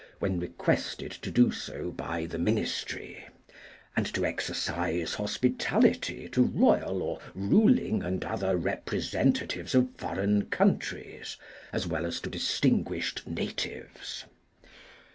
when requested to do so by the Ministry; and to exercise hospitality to royal or ruling and other representatives of foreign countries, as well as to distinguished natives.